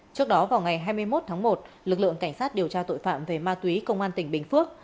trước đó vào ngày hai mươi một tháng một lực lượng cảnh sát điều tra tội phạm về ma túy công an tỉnh bình phước